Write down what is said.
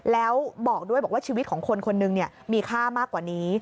แล้วบอกด้วยบอกว่าชีวิตของคนคนหนึ่งมีค่ามากกว่านี้